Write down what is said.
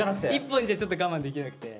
１本じゃちょっと我慢できなくて。